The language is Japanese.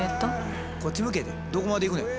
こっち向けってどこまで行くねん。